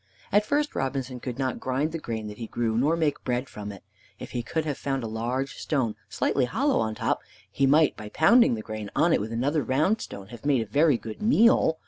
At first Robinson could not grind the grain that he grew, nor make bread from it. If he could have found a large stone, slightly hollow on top, he might, by pounding the grain on it with another round stone, have made very good meal.